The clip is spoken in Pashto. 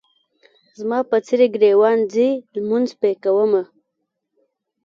زما په څېرې ګریوان ځي لمونځ پې کومه.